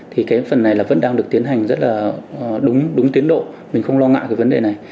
thì cái phần này là vẫn đang được tiến hành rất là đúng đúng tiến độ mình không lo ngại cái vấn đề này